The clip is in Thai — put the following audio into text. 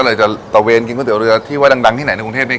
ก็เลยจะตะเวนกินข้าวเตี๋ยวเรือที่ไว้ดังที่ไหนในกรุงเทศนี่